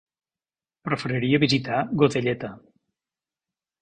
Preferiria visitar Godelleta.